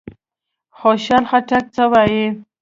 خوشحال خټک څه وايي؟